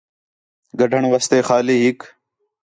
گڈھݨ واسطے خالی ہِک